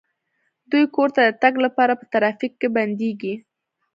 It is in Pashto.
دوی کور ته د تګ لپاره په ترافیک کې بندیږي